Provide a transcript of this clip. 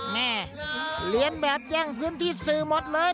แม่เรียนแบบแย่งพื้นที่สื่อหมดเลย